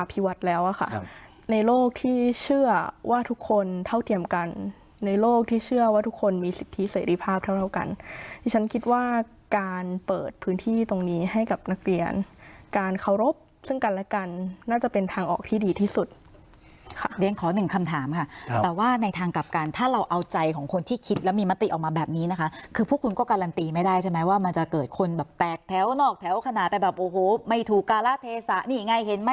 เปรียมกันในโลกที่เชื่อว่าทุกคนมีสิทธิเสร็จภาพเท่าเรากันที่ฉันคิดว่าการเปิดพื้นที่ตรงนี้ให้กับนักเรียนการเคารพซึ่งกันและกันน่าจะเป็นทางออกที่ดีที่สุดค่ะเรียนขอหนึ่งคำถามค่ะครับแต่ว่าในทางกับการถ้าเราเอาใจของคนที่คิดแล้วมีมติออกมาแบบนี้นะคะคือพวกคุณก็การันตีไม่ได้ใช่ไหม